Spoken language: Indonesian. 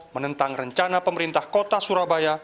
menentang rencana pemerintah kota surabaya